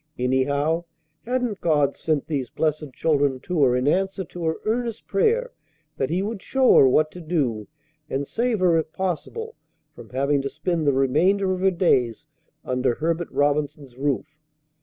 Anyhow, hadn't God sent these blessed children to her in answer to her earnest prayer that He would show her what to do and save her if possible from having to spend the remainder of her days under Herbert Robinson's roof?